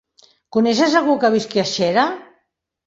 Coneixes algú que visqui a Xera?